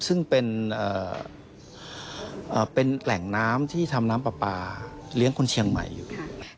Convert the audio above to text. ซึ่งเป็นแหล่งน้ำที่ทำน้ำปลาปลาเลี้ยงคนเชียงใหม่อยู่